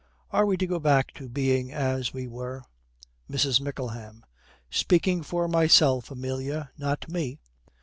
Are we to go back to being as we were?' MRS. MICKLEHAM. 'Speaking for myself, Amelia, not me.